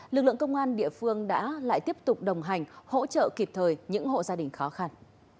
lực lượng công an địa phương đã lại tiếp tục đồng hành hỗ trợ kịp thời những hộ gia đình khó khăn